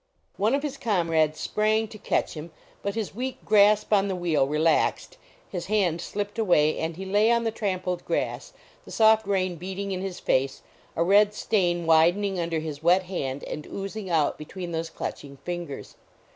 One of his comrades sprang to catch him, but his weak grasp on the wheel relaxed, his hand slipped away and he lay on the trampled grass, the soft rain beating in his face, a red stain widening under his wet hand and oozing out between those clutching fingers.